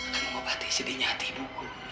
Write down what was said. akan mengobati sedihnya hati ibu